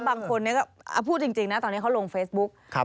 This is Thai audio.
บางคนก็พูดจริงนะตอนนี้เขาลงเฟซบุ๊ก